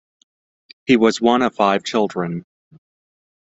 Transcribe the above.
He was one of five children.